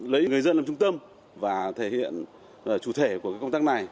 lấy người dân làm trung tâm và thể hiện chủ thể của công tác này